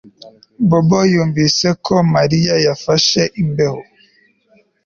Bobo yumvise ko Mariya yafashe imbeho